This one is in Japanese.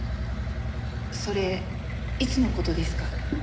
それいつの事ですか？